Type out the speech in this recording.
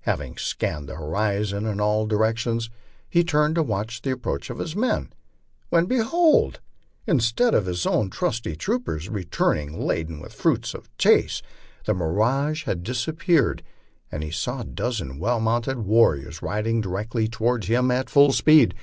Having scanned the horizon in all directions, he turned tc watch the approach of his men; when, behold! instead of his own trusty troopers returning laden with the fruits of the chase, the mirage had disappeared, and he saw a dozen well mounted warriors riding directly to ward him at full speed.